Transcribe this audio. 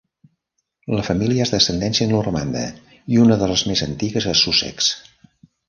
La família és d'ascendència normanda i una de les més antigues a Sussex.